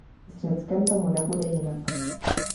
S Řeckem tomu nebude jinak.